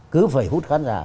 cứ phải hút khán giả